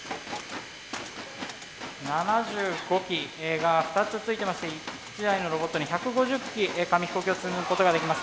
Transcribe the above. ７５機が２つついてまして１台のロボットに１５０機紙飛行機を積むことができます。